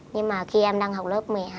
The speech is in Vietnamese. nhưng mà khi em đang học lớp một mươi hai